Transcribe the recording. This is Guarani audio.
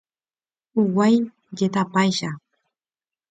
Huguái jetapáicha.